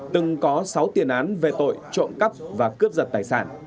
từng có sáu tiền án về tội trộm cắp và cướp giật tài sản